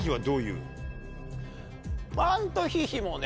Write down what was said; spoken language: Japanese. マントヒヒもね